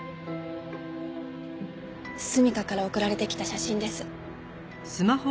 純夏から送られてきた写真です。